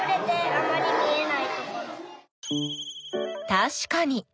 たしかに。